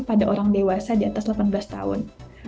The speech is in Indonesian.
pada orang dewasa diatas delapan belas tahun